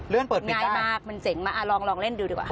เลื่อนเปิดปิดได้ง่ายมากมันเจ๋งมากลองเล่นดูดีกว่าค่ะ